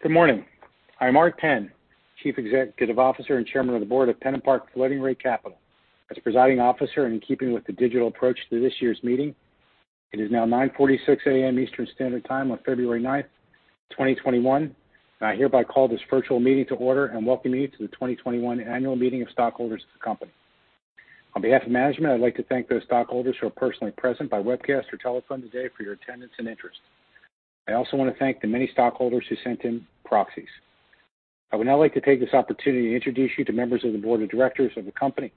Good morning. I'm Art Penn, Chief Executive Officer and Chairman of the Board of PennantPark Floating Rate Capital. As presiding officer, in keeping with the digital approach to this year's meeting, it is now 9:46 A.M. Eastern Standard Time on February 9th, 2021. I hereby call this virtual meeting to order and welcome you to the 2021 annual meeting of stockholders of the company. On behalf of management, I'd like to thank those stockholders who are personally present by webcast or telephone today for your attendance and interest. I also want to thank the many stockholders who sent in proxies. I would now like to take this opportunity to introduce you to members of the Board of Directors of the company,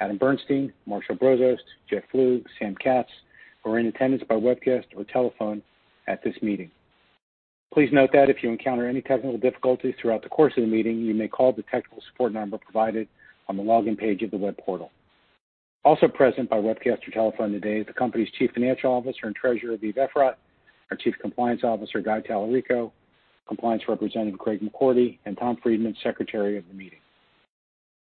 Adam Bernstein, Marshall Brozost, Jeff Flug, Sam Katz, who are in attendance by webcast or telephone at this meeting. Please note that if you encounter any technical difficulties throughout the course of the meeting, you may call the technical support number provided on the login page of the web portal. Also present by webcast or telephone today is the company's Chief Financial Officer and Treasurer, Aviv Efrat, our Chief Compliance Officer, Guy Talarico, Compliance Representative Craig McCordy, and Tom Friedmann, Secretary of the meeting.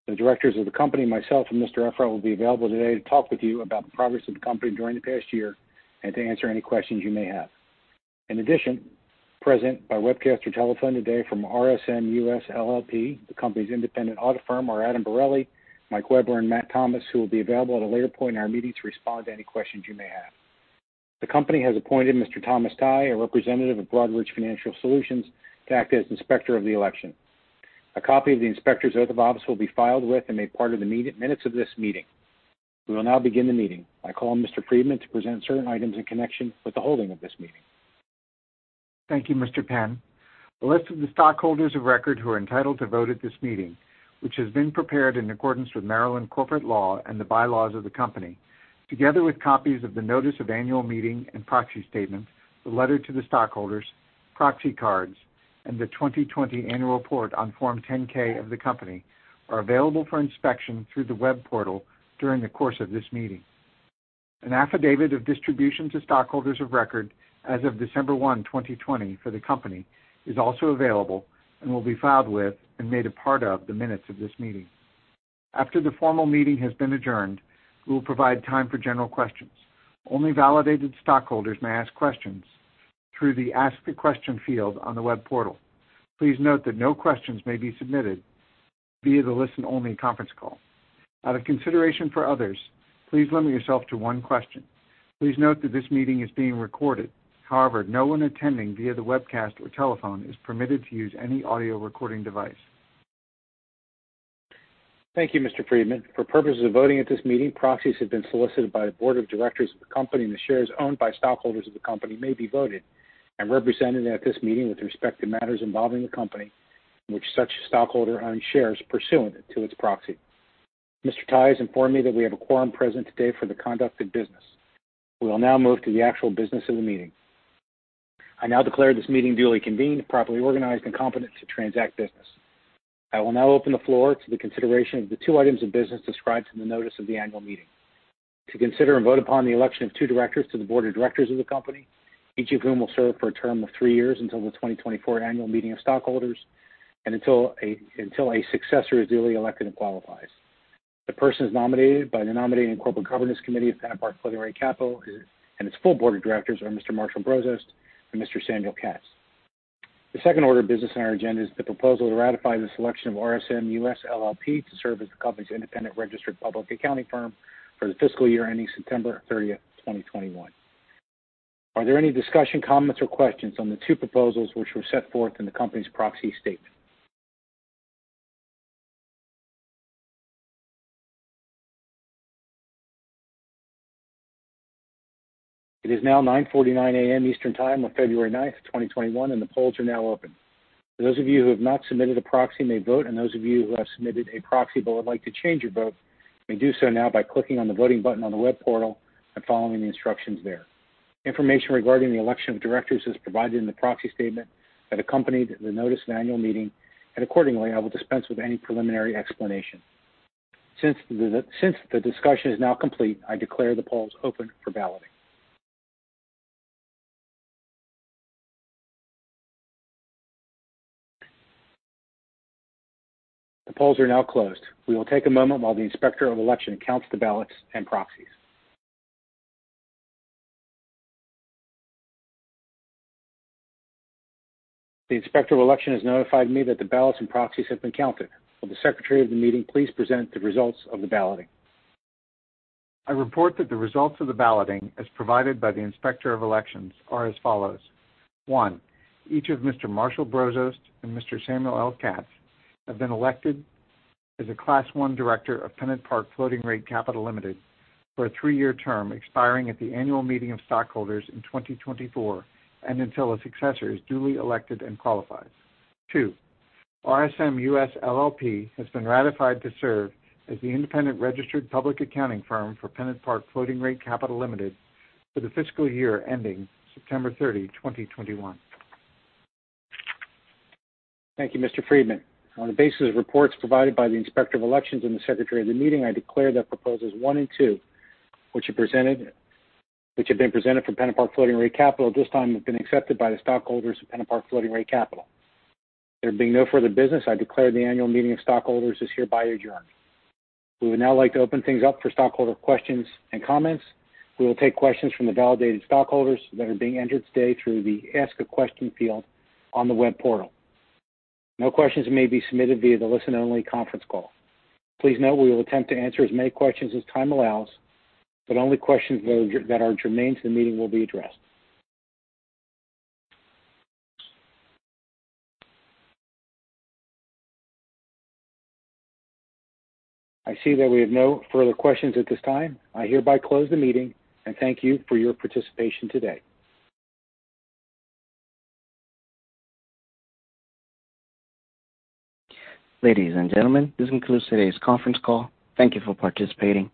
The directors of the company, myself, and Mr. Efrat will be available today to talk with you about the progress of the company during the past year and to answer any questions you may have. In addition, present by webcast or telephone today from RSM US LLP, the company's independent audit firm, are Adam Borrelli, Mike Weber, and Matt Thomas, who will be available at a later point in our meeting to respond to any questions you may have. The company has appointed Mr. Thomas Tai, a representative of Broadridge Financial Solutions, to act as inspector of the election. A copy of the inspector's oath of office will be filed with and made part of the minutes of this meeting. We will now begin the meeting. I call on Mr. Friedmann to present certain items in connection with the holding of this meeting. Thank you, Mr. Penn. The list of the stockholders of record who are entitled to vote at this meeting, which has been prepared in accordance with Maryland corporate law and the bylaws of the company, together with copies of the notice of annual meeting and proxy statement, the letter to the stockholders, proxy cards, and the 2020 annual report on Form 10-K of the company, are available for inspection through the web portal during the course of this meeting. An affidavit of distribution to stockholders of record as of December one, 2020, for the company is also available and will be filed with and made a part of the minutes of this meeting. After the formal meeting has been adjourned, we will provide time for general questions. Only validated stockholders may ask questions through the ask a question field on the web portal. Please note that no questions may be submitted via the listen-only conference call. Out of consideration for others, please limit yourself to one question. Please note that this meeting is being recorded. However, no one attending via the webcast or telephone is permitted to use any audio recording device. Thank you, Mr. Friedmann. For purposes of voting at this meeting, proxies have been solicited by the board of directors of the company, and the shares owned by stockholders of the company may be voted and represented at this meeting with respect to matters involving the company in which such stockholder own shares pursuant to its proxy. Mr. Tai has informed me that we have a quorum present today for the conduct of business. We will now move to the actual business of the meeting. I now declare this meeting duly convened, properly organized, and competent to transact business. I will now open the floor to the consideration of the two items of business described in the notice of the annual meeting. To consider and vote upon the election of two directors to the board of directors of the company, each of whom will serve for a term of three years until the 2024 annual meeting of stockholders and until a successor is duly elected and qualifies. The persons nominated by the Nominating and Corporate Governance Committee of PennantPark Floating Rate Capital and its full board of directors are Mr. Marshall Brozost and Mr. Samuel Katz. The second order of business on our agenda is the proposal to ratify the selection of RSM US LLP to serve as the company's independent registered public accounting firm for the fiscal year ending September 30th, 2021. Are there any discussion, comments, or questions on the two proposals which were set forth in the company's proxy statement? It is now 9:49 A.M. Eastern Time on February 9th, 2021, and the polls are now open. Those of you who have not submitted a proxy may vote, and those of you who have submitted a proxy but would like to change your vote may do so now by clicking on the voting button on the web portal and following the instructions there. Information regarding the election of directors is provided in the proxy statement that accompanied the notice of annual meeting, and accordingly, I will dispense with any preliminary explanation. Since the discussion is now complete, I declare the polls open for balloting. The polls are now closed. We will take a moment while the inspector of election counts the ballots and proxies. The inspector of election has notified me that the ballots and proxies have been counted. Will the secretary of the meeting please present the results of the balloting? I report that the results of the balloting, as provided by the inspector of elections, are as follows. One, each of Mr. Marshall Brozost and Mr. Samuel L. Katz have been elected as a class one director of PennantPark Floating Rate Capital Ltd. for a three-year term expiring at the annual meeting of stockholders in 2024 and until a successor is duly elected and qualifies. Two, RSM US LLP has been ratified to serve as the independent registered public accounting firm for PennantPark Floating Rate Capital Ltd. for the fiscal year ending September 30th, 2021. Thank you, Mr. Friedmann. On the basis of reports provided by the inspector of elections and the secretary of the meeting, I declare that proposals one and two, which have been presented for PennantPark Floating Rate Capital at this time, have been accepted by the stockholders of PennantPark Floating Rate Capital. There being no further business, I declare the annual meeting of stockholders is hereby adjourned. We would now like to open things up for stockholder questions and comments. We will take questions from the validated stockholders that are being entered today through the ask a question field on the web portal. No questions may be submitted via the listen-only conference call. Please note we will attempt to answer as many questions as time allows, but only questions that are germane to the meeting will be addressed. I see that we have no further questions at this time. I hereby close the meeting, and thank you for your participation today. Ladies and gentlemen, this concludes today's conference call. Thank you for participating.